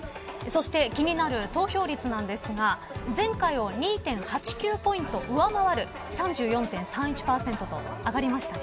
そして気になる投票率なんですが前回を２．８９ポイント上回る３４．３１％と、上がりました。